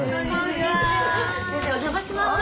先生お邪魔します。